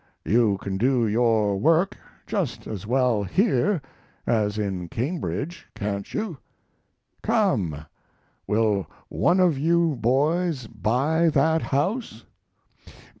You can do your work just as well here as in Cambridge, can't you? Come! Will one of you boys buy that house?